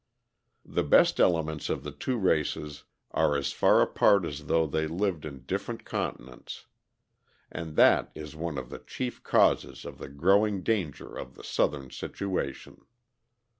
The best elements of the two races are as far apart as though they lived in different continents; and that is one of the chief causes of the growing danger of the Southern situation.